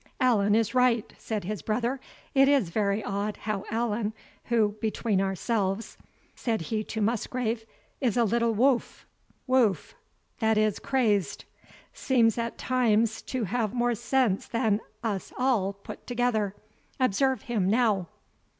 "Allan is right," said his brother; "it is very odd how Allan, who, between ourselves," said he to Musgrave, "is a little wowf, [WOWF, i.e. crazed.] seems at times to have more sense than us all put together. Observe him now."